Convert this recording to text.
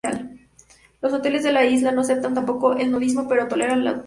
Los hoteles de la isla no aceptan tampoco el nudismo pero toleran el topless.